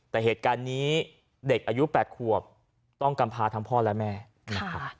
แต่เหตุการณ์นี้เด็กอายุ๘ขวบต้องกำพาทั้งพ่อและแม่นะครับ